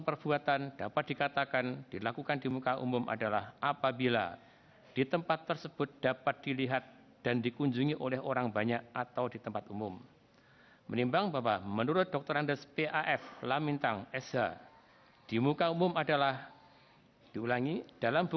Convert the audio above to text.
kepulauan seribu kepulauan seribu